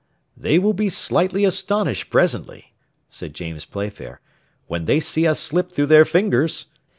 "They will be slightly astonished presently," said James Playfair, "when they see us slip through their fingers!"